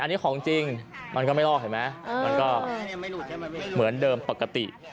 อันที่จริงมันก็ไม่ลอกเหมือนเดิมก็ปกติ